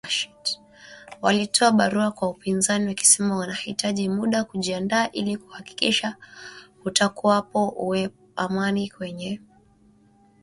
Walitoa barua kwa upinzani wakisema wanahitaji muda kujiandaa ili kuhakikisha kutakuwepo amani kwenye mkutano huo